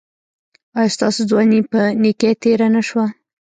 ایا ستاسو ځواني په نیکۍ تیره نه شوه؟